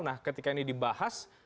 nah ketika ini dibahas